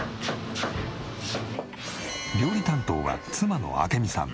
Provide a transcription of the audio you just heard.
料理担当は妻の明美さん。